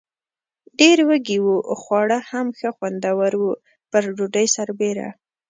ډېر وږي و، خواړه هم ښه خوندور و، پر ډوډۍ سربېره.